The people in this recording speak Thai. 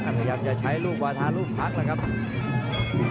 ขยับจะใช้รูปวาทารูปพักละครับหมดยกแรก